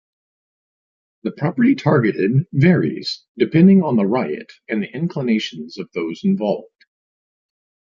The property targeted varies depending on the riot and the inclinations of those involved.